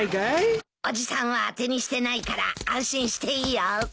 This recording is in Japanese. おじさんは当てにしてないから安心していいよ。